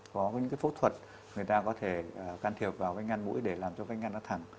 có những phẫu thuật người ta có thể can thiệp vào cái ngăn mũi để làm cho bệnh ngăn nó thẳng